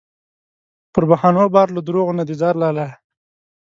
پر بهانو بار له دروغو نه دې ځار لالیه